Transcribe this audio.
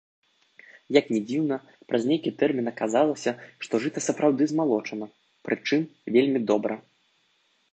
Як ні дзіўна, праз нейкі тэрмін аказалася, што жыта сапраўды змалочана, прычым вельмі добра.